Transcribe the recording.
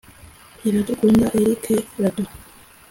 Iradukunda Eric Radu